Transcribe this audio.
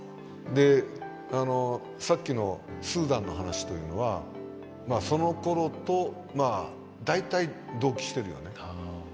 でさっきのスーダンの話というのはそのころと大体同期してるよね。